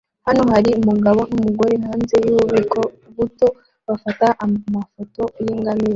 Hano hari umugabo numugore hanze yububiko buto bafata amafoto yingamiya